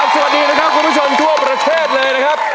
สวัสดีนะครับคุณผู้ชมทั่วประเทศเลยนะครับ